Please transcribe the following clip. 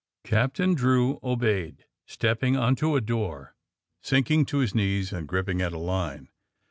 Captain Drew obeyed, stepping on to a door, sinking to his knees and gripping at a line.